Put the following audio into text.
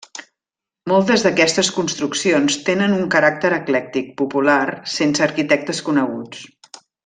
Moltes d'aquestes construccions tenen un caràcter eclèctic popular, sense arquitectes coneguts.